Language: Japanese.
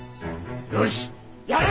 よしやれ！